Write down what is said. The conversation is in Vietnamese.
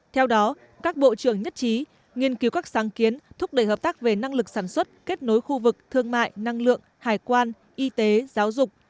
theo đó các bộ trưởng nhất trí nghiên cứu các sáng kiến thúc đẩy hợp tác về năng lực sản xuất kết nối khu vực thương mại năng lượng hải quan y tế giáo dục